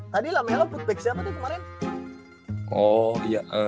tadi lamelo bootback siapa tuh kemarin